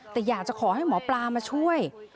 แต่อยากจะขอให้หมอปลามาช่วย